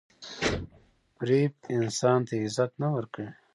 • فریب انسان ته عزت نه ورکوي.